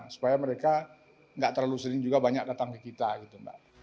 supaya mereka nggak terlalu sering juga banyak datang ke kita gitu mbak